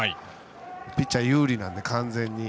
ピッチャー有利なので、完全に。